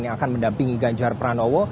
yang akan mendampingi ganjar pranowo